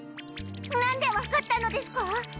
何で分かったのですか？